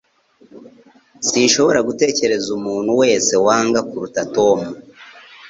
Sinshobora gutekereza umuntu wese wanga kuruta Tom